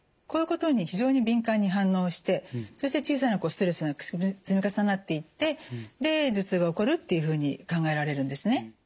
こういうことに非常に敏感に反応してそして小さなストレスが積み重なっていってで頭痛が起こるっていうふうに考えられるんですね。